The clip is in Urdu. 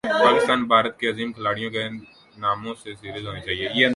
پاکستان بھارت کے عظیم کھلاڑیوں کے ناموں سے سیریز ہونی چاہیے